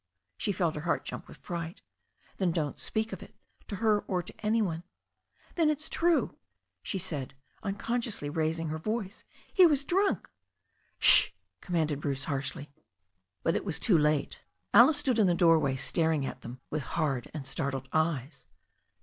She felt her heart jump with fright. Then don't speak of it, to her or to any one." 'Then it's true," she said, unconsciously raising her voice, "he was drunk." "Shi" commanded Bruce harshly. But it was too late. Alice stood in the doorway staring at them with hard and startled eyes.